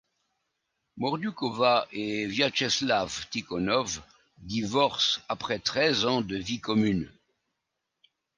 Mordioukova et Vyatcheslav Tikhonov divorcent après treize ans de vie commune.